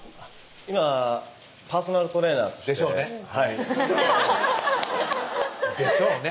今パーソナルトレーナーとしてでしょうねでしょうね